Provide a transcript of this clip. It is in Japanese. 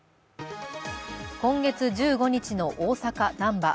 今月１５日の大阪・難波。